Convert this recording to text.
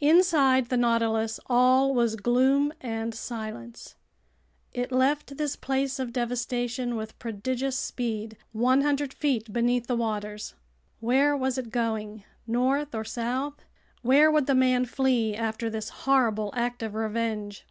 Inside the Nautilus all was gloom and silence. It left this place of devastation with prodigious speed, 100 feet beneath the waters. Where was it going? North or south? Where would the man flee after this horrible act of revenge?